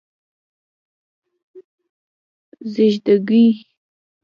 🦔 ږېږګۍ